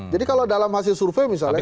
jadi kalau dalam hasil survei misalnya kan